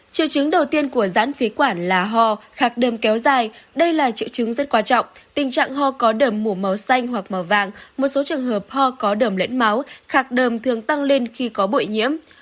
triều chứng đầu tiên của giãn phế quản là ho khạc đơm kéo dài đây là triệu chứng rất quan trọng tình trạng ho có đờm mổ màu xanh hoặc màu vàng một số trường hợp ho có đầm lẫn máu khạc đờm thường tăng lên khi có bội nhiễm